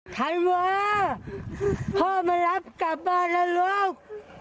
ใครวะพ่อมารับกลับบ้านแล้วลูก